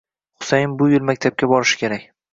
Husayin bu yil maktabga borishi kerak.